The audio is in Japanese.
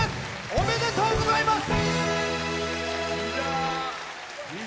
おめでとうございます。